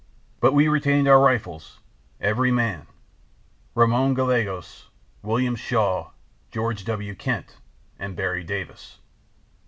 But we retained our rifles, every man—Ramon Gallegos, William Shaw, George W. Kent and Berry Davis."